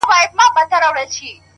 دومره حيا مه كوه مړ به مي كړې”